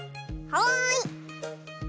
はい！